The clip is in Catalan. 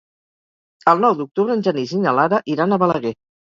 El nou d'octubre en Genís i na Lara iran a Balaguer.